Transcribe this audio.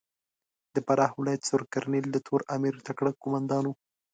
د فراه ولایت سور کرنېل د تور امیر تکړه کومندان ؤ.